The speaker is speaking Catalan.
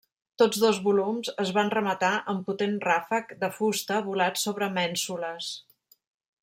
Tots dos volums es van rematar amb potent ràfec de fusta volat sobre mènsules.